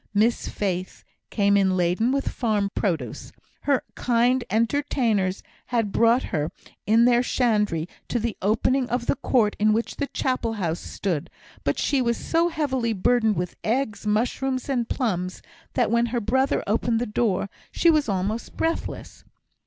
Miss Faith came in laden with farm produce. Her kind entertainers had brought her in their shandry to the opening of the court in which the Chapel house stood; but she was so heavily burdened with eggs, mushrooms, and plums, that when her brother opened the door she was almost breathless.